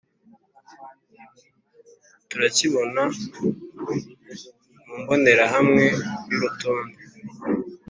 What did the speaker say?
Turakibona mu mbonerahamwe y’urutonde